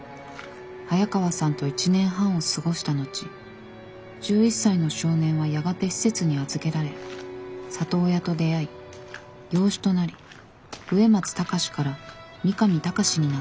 早川さんと１年半を過ごした後１１歳の少年はやがて施設に預けられ里親と出会い養子となり上松高志から三上高志になった。